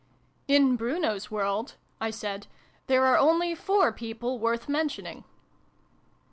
" In Bruno's World," I said, " there are only four People worth mentioning